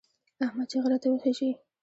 احمد چې غره ته وخېژي،